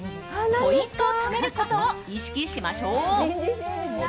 ポイントをためることを意識しましょう。